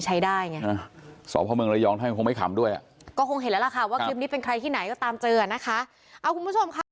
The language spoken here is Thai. แต่ในเมื่อในทีป้าผมก็ไม่ได้พูดอะไรเลยสักครั้งนะพี่